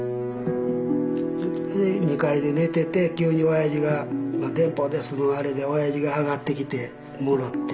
２階で寝てて急におやじが「電報です」のあれでおやじが上がってきてもろうて。